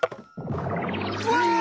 うわ！